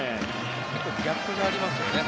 結構ギャップがありますね。